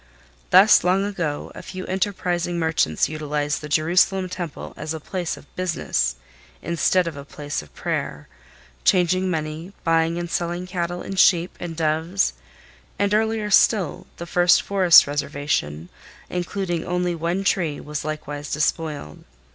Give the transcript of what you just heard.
Thus long ago a few enterprising merchants utilized the Jerusalem temple as a place of business instead of a place of prayer, changing money, buying and selling cattle and sheep and doves; and earlier still, the first forest reservation, including only one tree, was likewise despoiled.